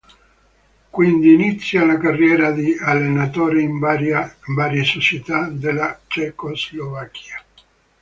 Quindi inizia la carriera di allenatore in varie società della Cecoslovacchia.